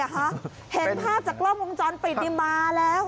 เห็นภาพจากรอบวงจรปิดมาแล้ว